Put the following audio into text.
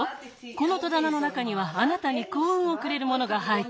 このとだなの中にはあなたにこううんをくれるものが入ってる。